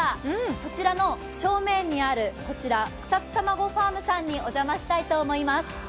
そちらの正面にある草津たまごファームさんにお邪魔したいと思います。